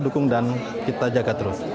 dan kita jaga terus